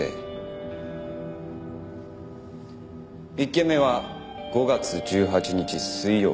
１件目は５月１８日水曜。